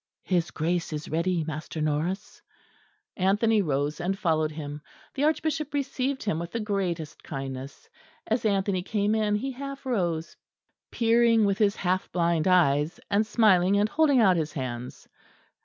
"His Grace is ready, Master Norris." Anthony rose and followed him. The Archbishop received him with the greatest kindness. As Anthony came in he half rose, peering with his half blind eyes, and smiling and holding out his hands.